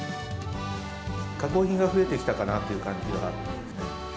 加工品が増えてきたかなという感じはあるんですね。